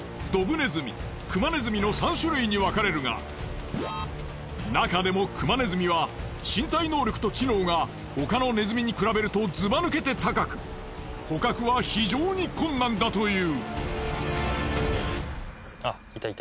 ３種類に分かれるがなかでもクマネズミは身体能力と知能が他のネズミに比べるとずば抜けて高く捕獲は非常に困難だという。